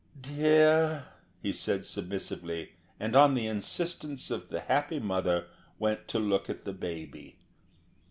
"Dear!" said he submissively, and on the insistence of the happy mother went to look at the baby.